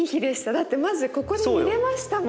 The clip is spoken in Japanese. だってまずここで見れましたもん。